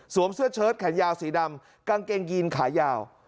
เสื้อเชิดแขนยาวสีดำกางเกงยีนขายาว